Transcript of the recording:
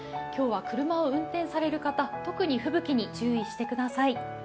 今日は車を運転される方、特に吹雪に注意してください。